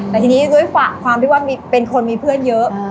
แต่ทีนี้ด้วยความที่ว่าเป็นคนมีเพื่อนเยอะ